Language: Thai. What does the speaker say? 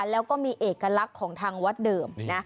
แล้วก็มีเอกลักษณ์ของทางวัดเดิมนะ